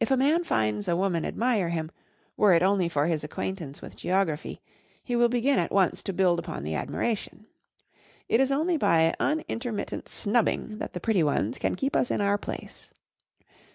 If a man finds a woman admire him, were it only for his acquaintance with geography, he will begin at once to build upon the admiration. It is only by unintermittent snubbing that the pretty ones can keep us in our place.